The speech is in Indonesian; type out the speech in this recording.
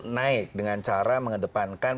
naik dengan cara mengedepankan